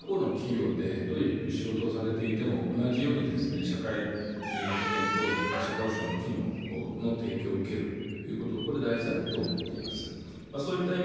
一定の要件を満たす短時間労働者の方であれば、基本はどこの企業で、どういう仕事をされていても同じように社会保険等の、社会保障の機能の提供を受けるということ、これ、大事だと思っています。